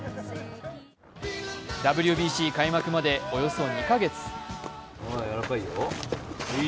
ＷＢＣ開幕までおよそ２か月。